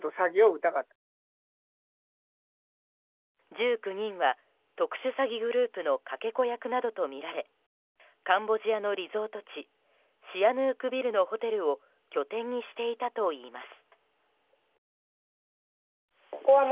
１９人は特殊詐欺グループのかけ子役などとみられカンボジアのリゾート地シアヌークビルのホテルを拠点にしていたといいます。